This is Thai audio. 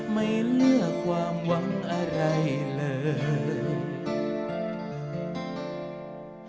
ไม่เลือกความหวังอะไรเลย